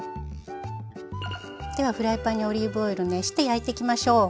ではフライパンにオリーブオイル熱して焼いてきましょう。